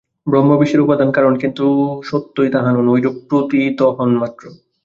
ব্রহ্ম বিশ্বের উপাদান-কারণ, কিন্তু সত্যই তাহা নন, ঐরূপ প্রতীত হন মাত্র।